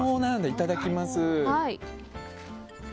いただきます。